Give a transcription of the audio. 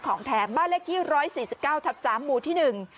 ของแถมบ้านเลขที่ร้อยสี่สิบเก้าทับสามหมู่ที่หนึ่ง